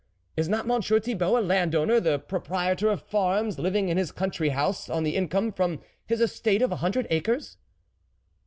" Is not Monsieur Thibault a landowner, the proprietor of farms, living in his country house on the income from his estate of a hundred acres